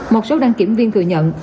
một số đăng kiểm viên thừa nhận